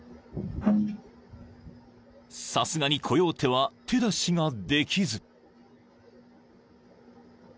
［さすがにコヨーテは手出しができず］